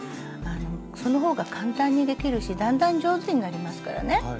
その方が簡単にできるしだんだん上手になりますからね。